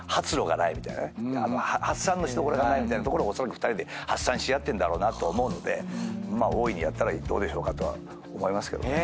発散のしどころがないところを２人発散し合ってんだろうなと思うのでまあ大いにやったらどうでしょうかとは思います。